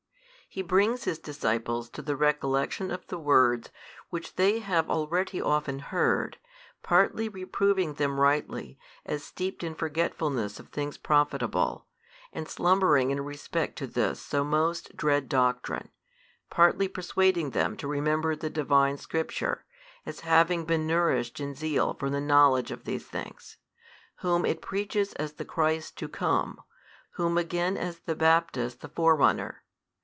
He brings his disciples to the recollection of the words which they have already often heard, partly reproving them rightly, as steeped in forgetfulness of things profitable, and slumbering in respect to this so most dread doctrine, partly persuading them to remember the Divine Scripture, as having been nourished in zeal for the knowledge of these things; Whom it preaches as the Christ to come, whom again as the Baptist the forerunner.